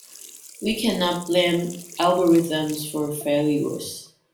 We cannot blame algorithms for failures.